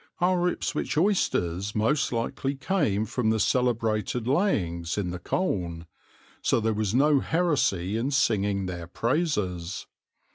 Our Ipswich oysters most likely came from the celebrated layings in the Colne, so there was no heresy in singing their praises.